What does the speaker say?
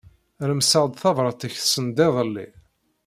Remseɣ-d tabrat-ik send iḍelli.